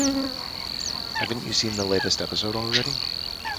Haven't you seen the latest episode already?